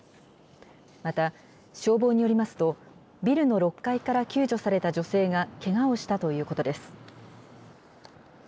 また、消防によりますと、ビルの６階から救助された女性がけがをしたということです。